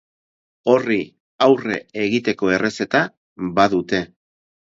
Horri aurre egiteko errezeta badute.